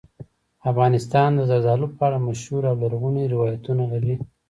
افغانستان د زردالو په اړه مشهور او لرغوني روایتونه لري.